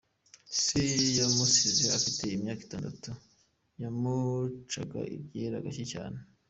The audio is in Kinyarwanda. Se yamusize afite imyaka itandatu, yamucaga iryera gacye cyane.